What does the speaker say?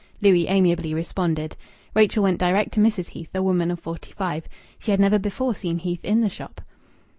Louis amiably responded. Rachel went direct to Mrs. Heath, a woman of forty five. She had never before seen Heath in the shop.